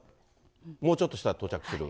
もうちょっとしたら到着する。